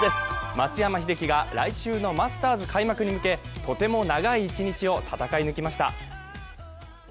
松山英樹が来週のマスターズ開幕に向け、とても長い一日を戦い抜きました。